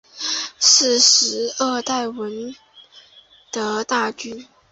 是第十二代闻得大君。